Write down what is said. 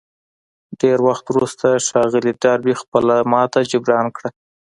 ډېر وخت وروسته ښاغلي ډاربي خپله ماتې جبران کړه.